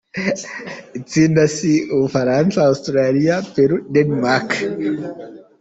Itsinda C: U Bufaransa, Australie, Peru, Danemark .